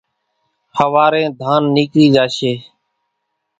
ۿوارين ڌانَ نيڪرِي زاشيَ۔